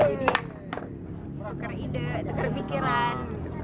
jadi teker ide teker pikiran